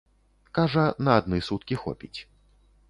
Кажа, на адны суткі хопіць.